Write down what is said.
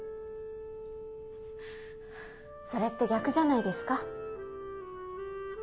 それって逆じゃないですか？